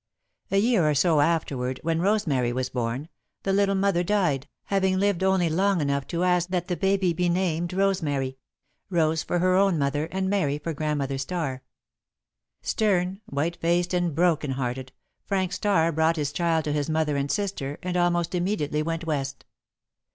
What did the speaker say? A year or so afterward, when Rosemary was born, the little mother died, having lived only long enough to ask that the baby be named "Rosemary" Rose for her own mother and Mary for Grandmother Starr. Stern, white faced, and broken hearted, Frank Starr brought his child to his mother and sister, and almost immediately went West.